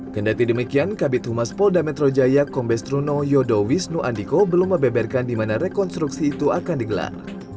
kendati demikian kabit humas polda metro jaya kombes truno yodo wisnu andiko belum mebeberkan di mana rekonstruksi itu akan digelar